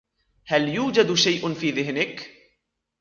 هل يوجد شيئ في ذهنك؟